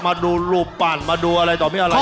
มาดูรูปปั่นมาดูอะไรต่อมีอะไร